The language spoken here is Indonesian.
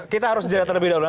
kita harus jeda terlebih dahulu